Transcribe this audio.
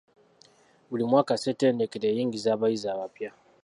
Buli mwaka Ssetendekero eyingiza abayizi abapya.